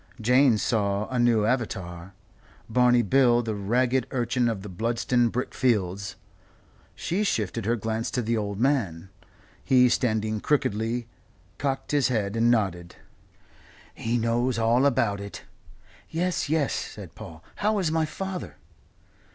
Jane saw a new avatar; Barney Bill the ragged urchin of the Bludston brick fields. She shifted her glance to the old man. He, standing crookedly, cocked his head and nodded. "He knows all about it." "Yes, yes," said Paul. "How is my father?"